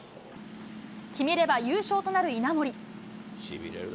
決めれば優勝となる稲森。